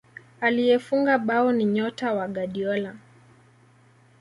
aliyefunga bao ni nyota wa guardiola